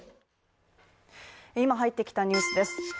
今入ってきたニュースです。